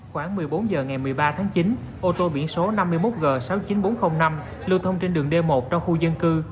khoảng một mươi bốn h ngày một mươi ba tháng chín ô tô biển số năm mươi một g sáu mươi chín nghìn bốn trăm linh năm lưu thông trên đường d một trong khu dân cư